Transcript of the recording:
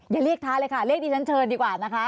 อย่าเรียกท้าเลยค่ะเรียกดิฉันเชิญดีกว่านะคะ